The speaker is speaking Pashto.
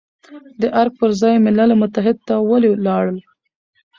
د ارګ پر ځای ملل متحد ته ولې لاړ،